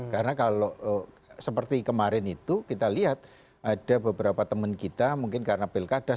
karena kalau seperti kemarin itu kita lihat ada beberapa teman kita mungkin karena pilkada